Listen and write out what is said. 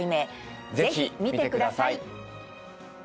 ぜひ見てください。